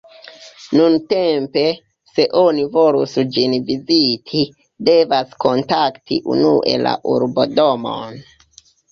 Nuntempe, se oni volus ĝin viziti, devas kontakti unue la urbo-domon.